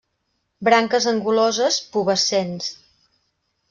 Branques anguloses, pubescents.